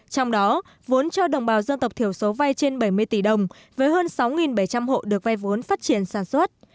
trong đó vốn cho đồng bào dân tộc thiểu số vay trên bảy mươi tỷ đồng với hơn sáu bảy trăm linh hộ được vay vốn phát triển sản xuất